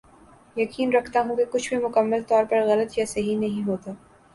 یقین رکھتا ہوں کہ کچھ بھی مکمل طور پر غلط یا صحیح نہیں ہوتا